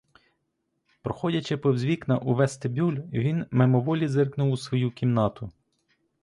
Проходячи повз вікна у вестибюль, він мимоволі зиркнув у свою кімнату.